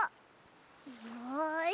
よし。